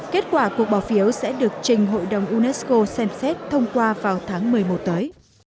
kết quả cuộc bỏ phiếu sẽ được trình hội đồng unesco xem xét thông qua vào tháng một mươi một tới